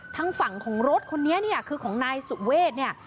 ทางฝั่งของรถคนนี้เนี่ยคือของนายสุเวทเนี่ย